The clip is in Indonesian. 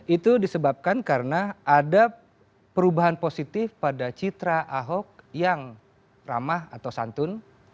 itu disebabkan karena ada perubahan positif pada citra ahok yang ramah atau santun